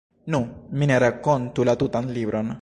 Nu, mi ne rakontu la tutan libron.